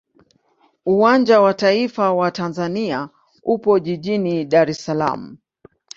Uwanja wa taifa wa Tanzania upo jijini Dar es Salaam.